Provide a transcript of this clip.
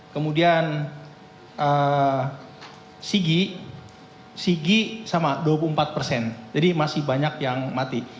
kemudian sigi sigi sama dua puluh empat persen jadi masih banyak yang mati